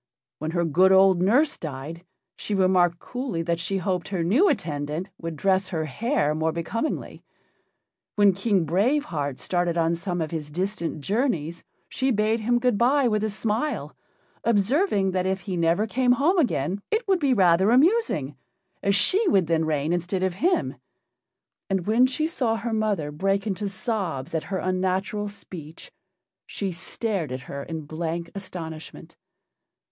When her good old nurse died, she remarked coolly that she hoped her new attendant would dress her hair more becomingly; when King Brave Heart started on some of his distant journeys she bade him good bye with a smile, observing that if he never came home again it would be rather amusing, as she would then reign instead of him, and when she saw her mother break into sobs at her unnatural speech she stared at her in blank astonishment.